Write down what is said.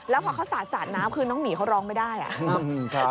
แล้วพอเขาสาดน้ำคือน้องหมีเขาร้องไม่ได้อ่ะ